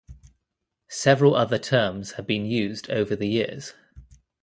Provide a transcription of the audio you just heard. Several other terms have been used over the years.